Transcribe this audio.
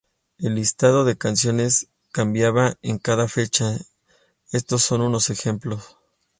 El listado de canciones cambiaba en cada fecha, estos son unos ejemplos.